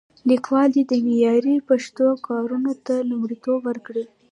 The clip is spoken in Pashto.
لیکوالان دې د معیاري پښتو کارونو ته لومړیتوب ورکړي.